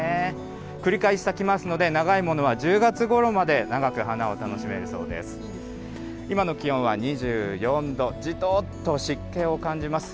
繰り返し咲きますので、長いものは１０月ごろまで長く花を楽しめるそうです。